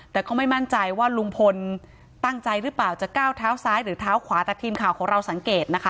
แต่ก็ไม่มั่นใจว่าลุงพลตั้งใจหรือเปล่าจะก้าวเท้าซ้ายหรือเท้าขวาแต่ทีมข่าวของเราสังเกตนะคะ